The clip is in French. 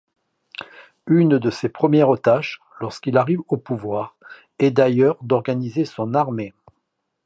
Une de ses premières tâches, lorsqu'il arrive au pouvoir, est d'ailleurs d'organiser son armée.